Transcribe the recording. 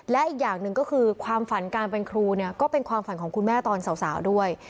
และอีกอย่างหนึ่งก็คือความฝันการเป็นครูเนี่ยก็เป็นความฝันของคุณแม่ตอนสาวด้วย